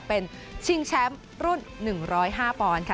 เป็นชิงแชมป์รุ่น๑๐๕ปอนด์ค่ะ